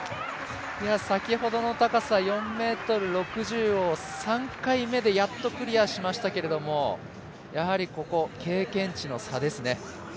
先ほどの高さ、４ｍ６０を３回目でやっとクリアしましたけどもここ、経験値の差ですね。